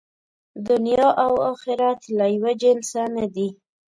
دنیا او آخرت له یوه جنسه نه دي.